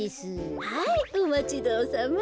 はいおまちどおさま。